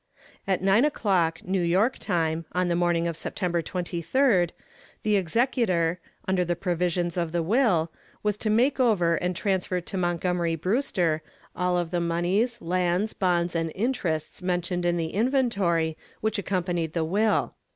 At nine o'clock, New York time, on the morning of September 23d, the executor, under the provisions of the will, was to make over and transfer to Montgomery Brewster all of the moneys, lands, bonds, and interests mentioned in the inventory which accompanied the will.